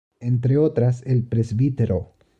Entre otras, el Pbro.